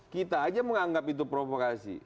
kita aja menganggap itu provokasi